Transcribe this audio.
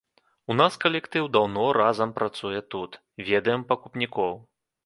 У нас калектыў даўно разам працуе тут, ведаем пакупнікоў.